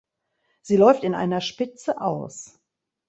Sie läuft in einer Spitze aus.